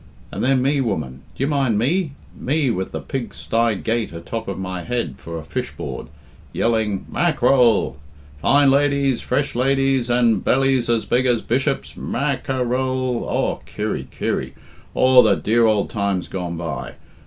"And then me, woman, d'ye mind me? me, with the pig stye gate atop of my head for a fish board, yelling, 'Mackerel! Fine ladies, fresh ladies, and bellies as big as bishops Mack er el!' Aw, Kirry, Kirry! Aw, the dear ould times gone by!